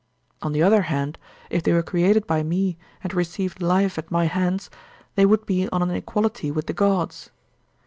On the other hand, if they were created by me and received life at my hands, they would be on an equality with the gods.